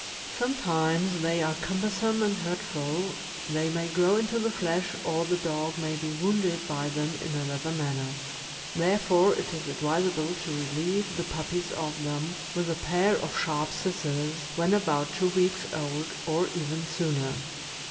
Sometimes they are cumbersome and hurtful; they may grow into the flesh, or the dog may be wounded by them in another manner. Therefore it is advisable THE GREAT DANE. 587 % to relieve the puppies of them, with a pair of sharp scissors, when about two weeks old, or even sooner.